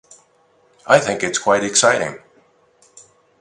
I think it’s quite exciting.